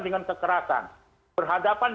dengan kekerasan berhadapan